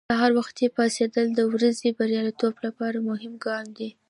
سهار وختي پاڅېدل د ورځې بریالیتوب لپاره مهم ګام دی.